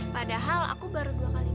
padahal aku baru dua kali nangis kak